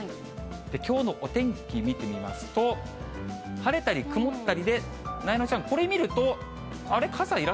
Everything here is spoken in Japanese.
きょうのお天気見てみますと、晴れたり曇ったりで、なえなのちゃん、これ見ると、あれ？